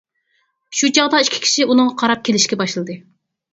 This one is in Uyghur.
شۇ چاغدا ئىككى كىشى ئۇنىڭغا قاراپ كېلىشكە باشلىدى.